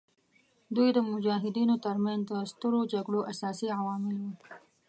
دوی د مجاهدینو تر منځ د سترو جګړو اساسي عوامل وو.